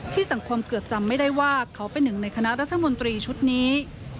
สังคมเกือบจำไม่ได้ว่าเขาเป็นหนึ่งในคณะรัฐมนตรีชุดนี้